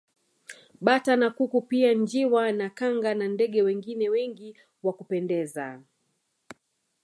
Bata na kuku pia njiwa na kanga na ndege wengine wengi wa kupendeza